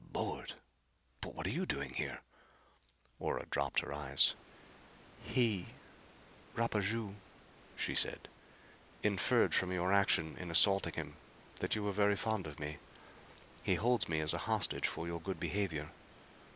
"Lord! But what are you doing here?" Ora dropped her eyes. "He Rapaju " she said, "inferred from your action in assaulting him that you were very fond of me. He holds me as a hostage for your good behavior.